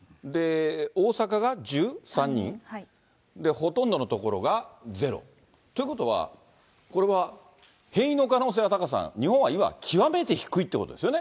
大阪が１３人、ほとんどの所が０。ということは、これは変異の可能性は、タカさん、日本は今、極めて低いということですよね。